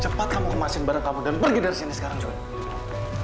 cepat kamu kemasin barang kamu dan pergi dari sini sekarang juga